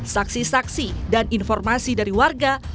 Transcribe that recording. saksi saksi dan informasi dari warga